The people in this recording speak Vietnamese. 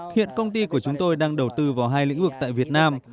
hiện công ty của chúng tôi đang đầu tư vào hai lĩnh vực tại việt nam